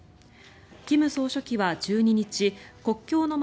金総書記は１２日国境の街